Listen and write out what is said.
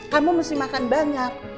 kamu mesti makan banyak